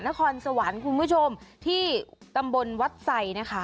นครสวรรค์คุณผู้ชมที่ตำบลวัดไสนะคะ